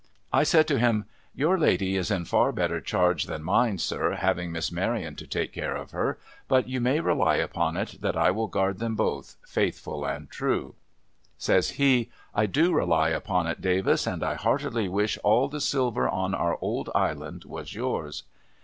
I said to him :' Your lady is in far better charge than mine, sir, having Miss Maryon to take care of her; but, you may rely upon it, that I will guard them both — faithful and true.' I7i rr.RILS Oi' CERTAIN ENGLISH PRISONERS Says he :' I do rely upon it, Davis, and I heartily wish all the silver on our old Island was yours.'